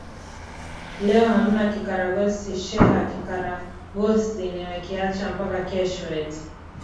ee leo hamna kikaragosi sheha kikaragosi nime kiacha mpaka kesho eti ee